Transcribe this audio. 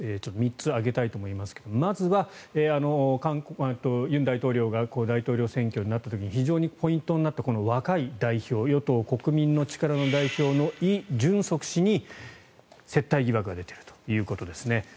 ３つ挙げたいと思いますがまずは尹大統領が大統領選挙になった時に非常にポイントになった若い代表与党・国民の力の代表のイ・ジュンソク氏に接待疑惑が出ているということです。